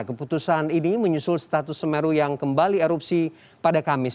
keputusan ini menyusul status semeru yang kembali erupsi pada kamis